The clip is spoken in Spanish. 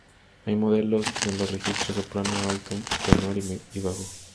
Hay modelos de los registros soprano, alto, tenor y bajo.